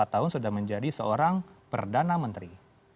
tiga puluh empat tahun sudah menjadi seorang perdana menteri